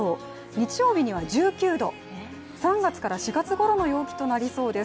日曜日には１９度３月から４月ごろの陽気となりそうです。